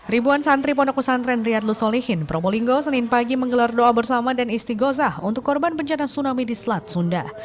ribuan santri pondok pesantren riyadlu solihin probolinggo senin pagi menggelar doa bersama dan istiqosah untuk korban bencana tsunami di selat sunda